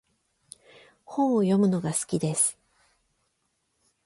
本を読むのが好きです。